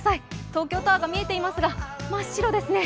東京タワーが見えていますが真っ白ですね。